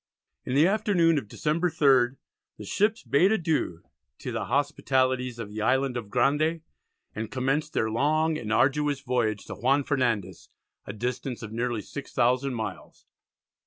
In the afternoon of December 3rd, the ships bade adieu to the hospitalities of the island of Grande, and commenced their long and arduous voyage to Juan Fernandez, a distance of nearly 6,000 miles.